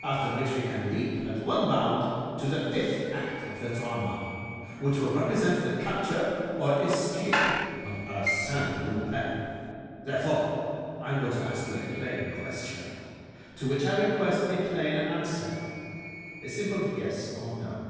after which we can leap, at one bound, to the fifth act of the drama, which will represent the capture or escape of Arsène Lupin. Therefore, I am going to ask you a plain question, to which I request a plain answer—a simple yes or no.